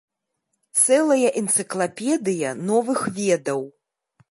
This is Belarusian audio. Цэлая энцыклапедыя новых ведаў.